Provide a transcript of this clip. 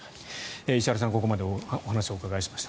石原さん、ここまでお話をお伺いしました。